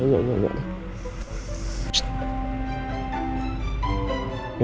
enggak enggak enggak enggak